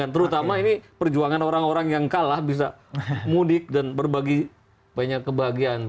terutama ini perjuangan orang orang yang kalah bisa mudik dan berbagi banyak kebahagiaan